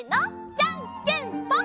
じゃんけんぽん！